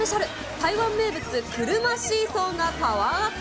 台湾名物、車シーソーがパワーアップ。